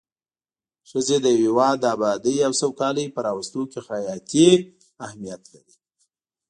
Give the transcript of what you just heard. ښځی د يو هيواد د ابادي او سوکالي په راوستو کي حياتي اهميت لري